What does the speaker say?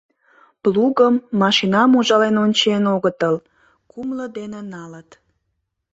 Плугым, машинам ужален ончен огытыл, кумло дене налыт.